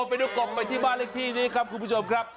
ไปดูกล่องไปที่บ้านเลขที่นี้ครับคุณผู้ชมครับ